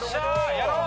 やろう！